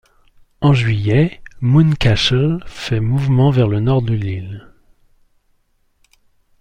En juillet, Mountcashel fait mouvement vers le nord de l’île.